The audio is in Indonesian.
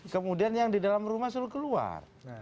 kemudian yang di dalam rumah selalu keluar